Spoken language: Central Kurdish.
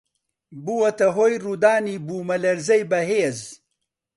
بووەتە هۆی ڕوودانی بوومەلەرزەی بەهێز